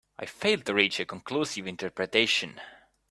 I failed to reach a conclusive interpretation.